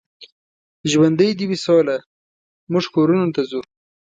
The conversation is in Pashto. ژوندۍ دې وي سوله، موږ کورونو ته ځو.